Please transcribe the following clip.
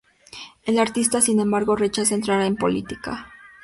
El artista, sin embargo, rechaza entrar en política.